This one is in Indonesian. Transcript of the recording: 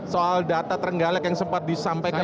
soal data terenggalek yang sempat disampaikan